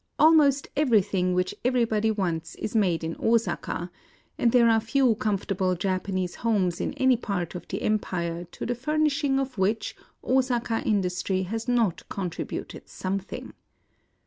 Almost everything which everybody wants is made in Osaka ; and there are few comfortable Japa nese homes in any part of the empire to the furnishing of which Osaka industry has not contributed something.